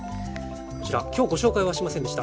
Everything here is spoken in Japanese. こちら今日ご紹介はしませんでした。